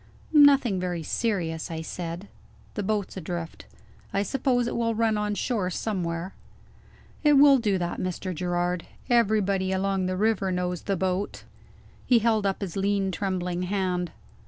"Nothing very serious," I said. "The boat's adrift. I suppose it will run on shore somewhere." "It will do that, Mr. Gerard; everybody along the river knows the boat." He held up his lean trembling hand.